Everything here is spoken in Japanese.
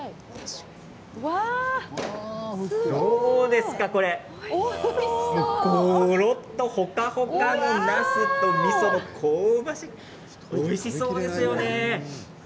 どうですかこちらごろっとほかほかのなすみそも香ばしくおいしそうですよね。